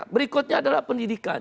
berikutnya adalah pendidikan